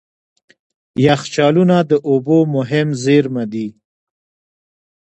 یخچالونه د اوبو مهم زیرمه دي.